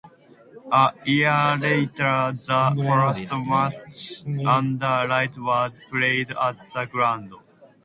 A year later the first match under lights was played at the ground.